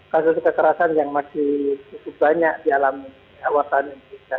kasus kekerasan yang masih cukup banyak di alam wartawan indonesia